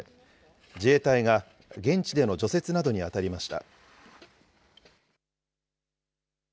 自衛隊が現地での除雪などに当たりました。